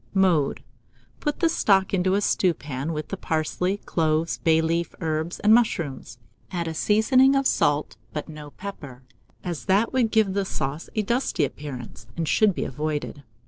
Mode. Put the stock into a stewpan, with the parsley, cloves, bay leaf, herbs, and mushrooms; add a seasoning of salt, but no pepper, as that would give the sauce a dusty appearance, and should be avoided.